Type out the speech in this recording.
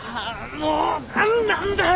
もう何なんだよ！